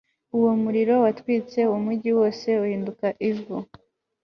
Uwo muriro watwitse umujyi wose uhinduka ivu